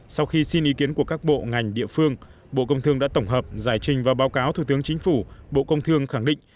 sau khi xin ý kiến của các bộ ngành địa phương bộ công thương đã tổng hợp giải trình và báo cáo thủ tướng chính phủ bộ công thương khẳng định